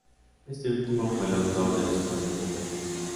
Este último fue el autor de las puertas de hierro.